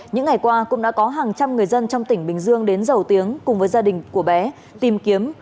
những ngày qua cũng đã có hàng trăm người dân trong tỉnh bình dương đến giàu tiếng cùng với gia đình của bé tìm kiếm